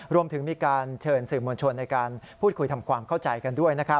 รวมถึงมีการเชิญสื่อมวลชนในการพูดคุยทำความเข้าใจกันด้วย